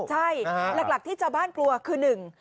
ใช่หลักที่เจ้าบ้านกลัวคือหนึ่ง